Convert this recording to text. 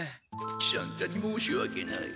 喜三太にもうしわけない。